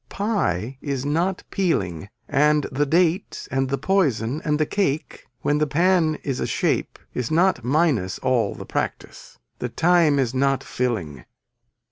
Pie is not peeling and the date and the poison and the cake when the pan is a shape is not minus all the practice. The time is not filling.